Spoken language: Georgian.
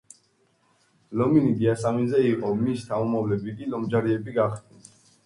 ლომინი დიასამიძე იყო, მის შთამომავლები კი ლომჯარიები გახდნენ.